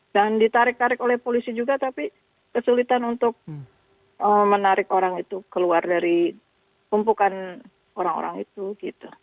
dan ditarik tarik oleh polisi juga tapi kesulitan untuk menarik orang itu keluar dari kumpukan orang orang itu gitu